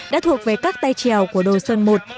đã thuộc về các tay trèo của đồ sơn một